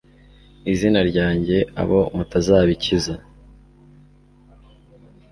izina ryanjye, abo mutazabikiza